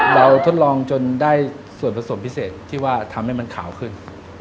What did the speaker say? ทดลองจนได้ส่วนผสมพิเศษที่ว่าทำให้มันขาวขึ้น